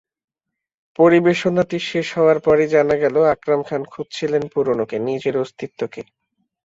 পরিবেশনাটি শেষ হওয়ার পরই জানা গেল, আকরাম খান খুঁজছিলেন পুরোনোকে, নিজের অস্তিত্বকে।